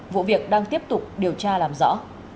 vụ việc đang tiếp tục điều tra làm rõ